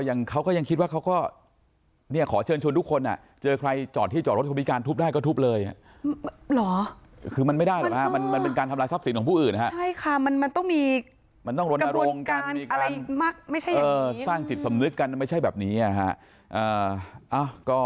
สร้างติดสำนึกกันก็ไม่ใช่แบบนี้อ่า